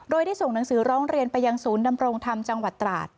โดยได้ส่งหนังสือร้องเรียนไปยังศูนย์ดำรงธรรมจังหวัดตราด